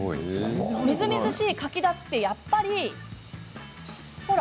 みずみずしい柿だってやっぱり同じ。